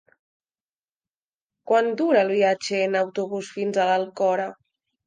Quant dura el viatge en autobús fins a l'Alcora?